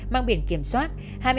mang biển kiểm soát